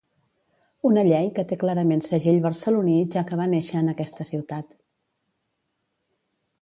Una llei que té clarament segell barceloní ja que va néixer en aquesta ciutat